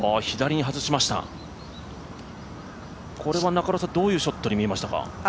左に外しました、これはどういうショットに見えましたか？